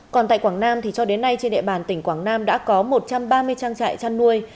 còn tại quảng nam thì cho đến nay trên địa bàn tỉnh quảng nam đã có một trăm ba mươi trang trại chăn nuôi